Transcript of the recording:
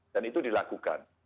dan itu dilakukan